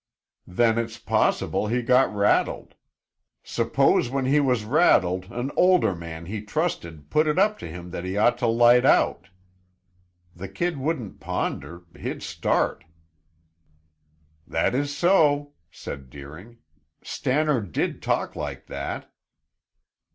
"Then it's possible he got rattled. Suppose when he was rattled an older man he trusted put it up to him that he ought to light out? The kid wouldn't ponder; he'd start." "That is so," said Deering. "Stannard did talk like that."